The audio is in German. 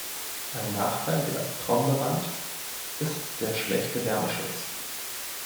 Ein Nachteil der Trombe-Wand ist der schlechte Wärmeschutz.